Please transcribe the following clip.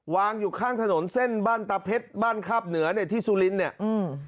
วางอยู่ข้างถนนเส็นบ้านตรับเพชรบ้านคาบเหนือที่ซุลินเนี่ย